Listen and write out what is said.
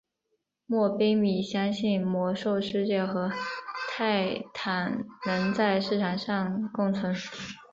莫怀米相信魔兽世界和泰坦能在市场上共存。